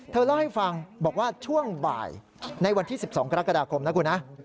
เล่าให้ฟังบอกว่าช่วงบ่ายในวันที่๑๒กรกฎาคมนะคุณนะ